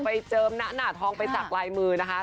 เจิมหน้าหนาทองไปสักลายมือนะคะ